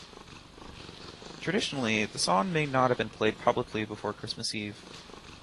Traditionally, the song may not be played publicly before Christmas Eve.